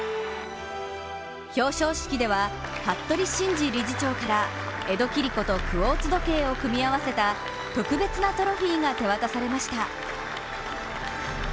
表彰式では、服部真二理事長から江戸切子とクオーツ時計を組み合わせた、特別なトロフィーが手渡されました。